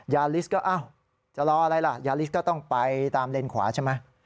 ลิสก็อ้าวจะรออะไรล่ะยาลิสก็ต้องไปตามเลนขวาใช่ไหม